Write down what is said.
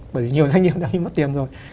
bởi vì nhiều doanh nghiệp đã bị mất tiền rồi